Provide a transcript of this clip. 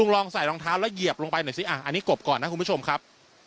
ลองใส่รองเท้าแล้วเหยียบลงไปหน่อยสิอันนี้กบก่อนนะคุณผู้ชมครับ